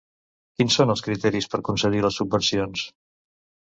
Quins són els criteris per concedir les subvencions?